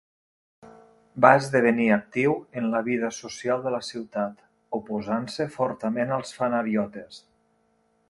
Va esdevenir actiu en la vida social de la ciutat, oposant-se fortament als fanariotes.